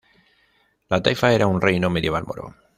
La taifa era un reino medieval moro.